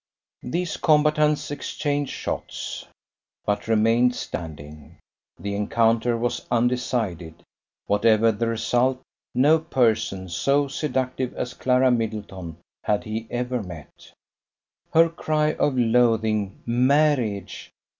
These combatants exchanged shots, but remained standing; the encounter was undecided. Whatever the result, no person so seductive as Clara Middleton had he ever met. Her cry of loathing, "Marriage!"